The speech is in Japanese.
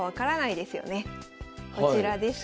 こちらですが。